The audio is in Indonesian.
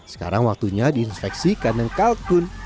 sekarang waktunya diinspeksi kandang kalkun